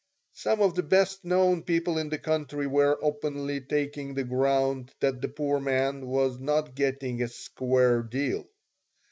Some of the best known people in the country were openly taking the ground that the poor man was not getting a "square deal."